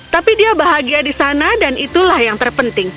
tapi dia bahagia di sana dan itulah yang terpenting